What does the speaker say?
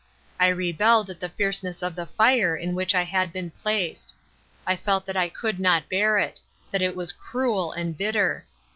I rebelled at the fierceness of the fire in which I had been placed. I felt that I could not bear it; that it was cruel and bittei.